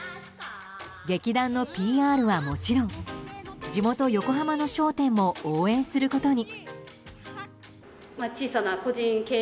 劇団のＰＲはもちろん地元・横浜の商店も応援することに。